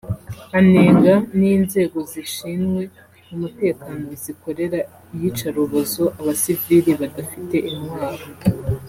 anenga n’inzego zishinwe umutekano zikorera iyicarubozo abasivili badafite intwaro